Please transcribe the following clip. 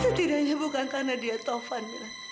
setidaknya bukan karena dia taufan mila